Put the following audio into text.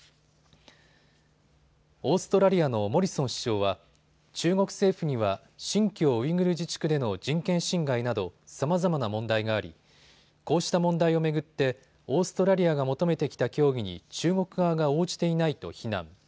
オーストラリアのモリソン首相は中国政府には新疆ウイグル自治区での人権侵害などさまざまな問題がありこうした問題を巡ってオーストラリアが求めてきた協議に中国側が応じていないと非難。